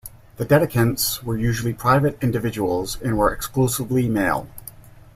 The dedicants were usually private individuals and were exclusively male.